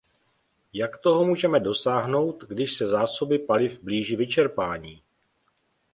Jak toho můžeme dosáhnout, když se zásoby paliv blíží vyčerpání?